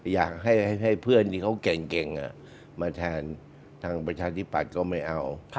อยากให้เพื่อนที่เขาเก่งมาแทนทางประชาธิปัตย์ก็ไม่เอา